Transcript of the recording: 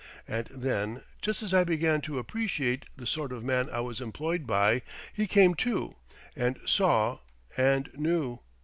And then, just as I began to appreciate the sort of man I was employed by, he came to, and saw and knew.